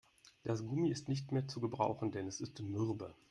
Das Gummi ist nicht mehr zu gebrauchen, denn es ist mürbe.